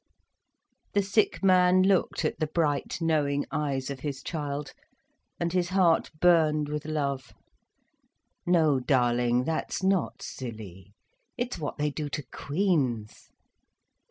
The sick man looked at the bright, knowing eyes of his child, and his heart burned with love. "No, darling, that's not silly. It's what they do to queens."